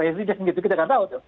presiden kita tidak tahu